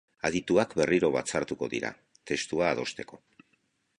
Adituak berriro batzartuko dira, testua adosteko